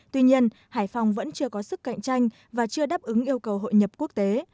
tuy nhiên hải phòng vẫn chưa có sức cạnh tranh và chưa đáp ứng yêu cầu hội nhập quốc tế